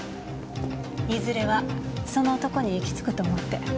いずれはその男に行き着くと思って。